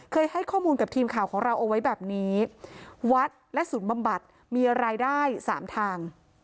ให้ข้อมูลกับทีมข่าวของเราเอาไว้แบบนี้วัดและศูนย์บำบัดมีรายได้สามทาง